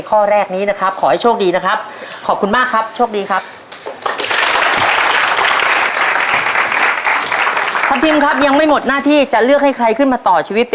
ความดังของทัพทีมจะพิธีโจทย์ไปได้ไหม